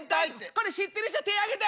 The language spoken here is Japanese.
これ知ってる人手挙げて！